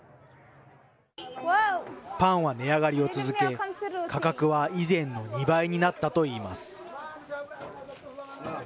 パンは値上がりを続け、価格は以前の２倍になったといいます。